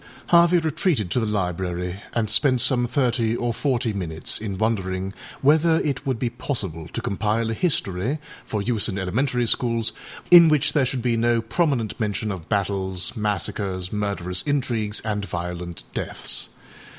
â Harvey retreated to the library and spent some thirty or forty minutes in wondering whether it would be possible to compile a history, for use in elementary schools, in which there should be no prominent mention of battles, massacres, murderous intrigues, and violent deaths.